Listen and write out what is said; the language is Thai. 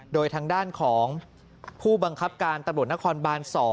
โดยทางด้านของผู้บังคับการตำรวจนครบาน๒